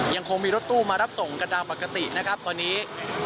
ยังคงมีรถตู้มารับส่งกันตามปกตินะครับตอนนี้